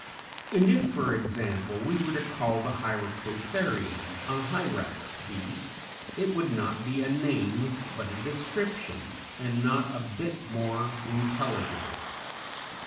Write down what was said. And if, for example, we were to call the Hyracotherium a Hyrax beast it would not be a name, but a description, and not a bit more intelligible.